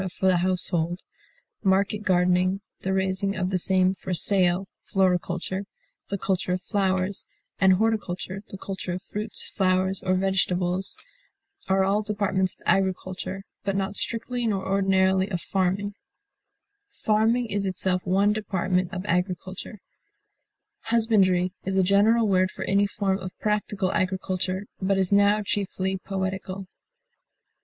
for the household, market gardening, the raising of the same for sale, floriculture, the culture of flowers, and horticulture, the culture of fruits, flowers, or vegetables, are all departments of agriculture, but not strictly nor ordinarily of farming; farming is itself one department of agriculture. Husbandry is a general word for any form of practical agriculture, but is now chiefly poetical.